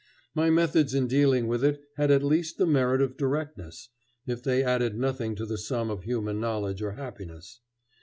My methods in dealing with it had at least the merit of directness, if they added nothing to the sum of human knowledge or happiness.